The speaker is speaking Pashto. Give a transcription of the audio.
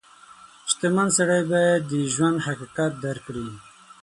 • شتمن سړی باید د ژوند حقیقت درک کړي.